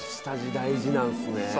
下地大事なんすね。